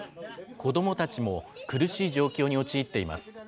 子どもたちも苦しい状況に陥っています。